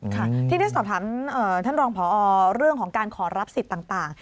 ค่ะทีนี้สอบถามท่านรองพอเรื่องของการขอรับสิทธิ์ต่าง